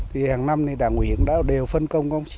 hàng năm đảng ủy đã đều phân công